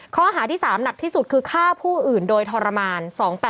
ข้อหาที่๓หนักที่สุดคือฆ่าผู้อื่นโดยทรมาน๒๘๘